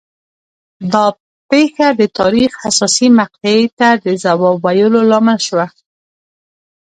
دا پېښه د تاریخ حساسې مقطعې ته د ځواب ویلو لامل شوه